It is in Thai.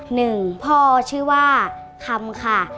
หนึ่งพ่อชื่อว่าคำค่ะ